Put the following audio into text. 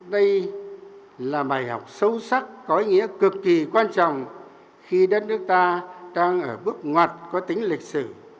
đây là bài học sâu sắc có ý nghĩa cực kỳ quan trọng khi đất nước ta đang ở bước ngoặt có tính lịch sử